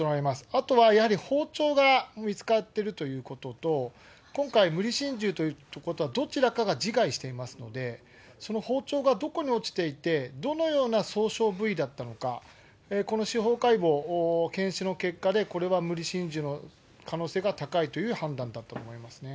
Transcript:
あとはやはり包丁が見つかってるということと、今回、無理心中ということはどちらかが自害していますので、その包丁がどこに落ちていて、どのような創傷部位だったのか、この司法解剖、検視の結果でこれは無理心中の可能性が高いという判断だったと思いますね。